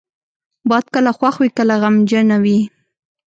باد کله خوښ وي، کله غمجنه وي